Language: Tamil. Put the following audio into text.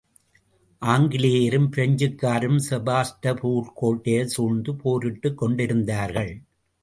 ஆங்கிலலேயரும், பிரெஞ்சுக்காரரும் செபாஸ்டபூல் கோட்டையைச் சூழ்ந்து போரிட்டுக் கொண்டிருந்தார்கள்.